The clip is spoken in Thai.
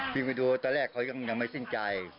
วิ่งไปดูตัวแรกเขายังไม่ถึงใจ